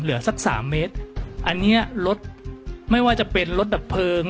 เหลือสัก๓เมตรอันนี้ลดไม่ว่าจะเป็นลดดับเพลิง